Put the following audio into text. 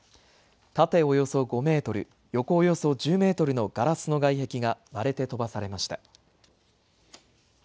縦およそ５メートル、横およそ１０メートルのガラスの外壁が割れて飛ばされました。